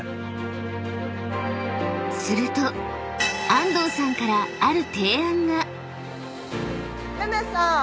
［すると安藤さんからある］